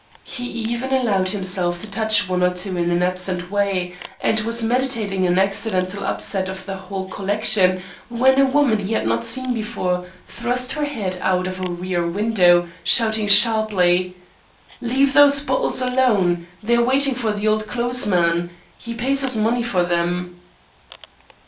He even allowed himself to touch one or two in an absent way, and was meditating an accidental upset of the whole collection when a woman he had not seen before, thrust her head out of a rear window, shouting sharply: "Leave those bottles alone. They're waiting for the old clothes man. He pays us money for them."